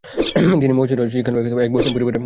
তিনি মহীসূরে চিক্কামাগালুরে এক বৈষ্ণব পরিবারে জন্ম নেন।